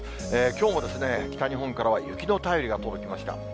きょうも北日本からは雪の便りが届きました。